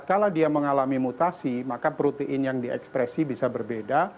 kalau dia mengalami mutasi maka protein yang diekspresi bisa berbeda